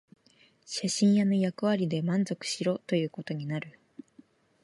写真屋の役割で満足しろということになる